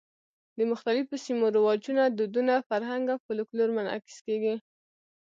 د مختلفو سیمو رواجونه، دودونه، فرهنګ او فولکلور منعکس کېږي.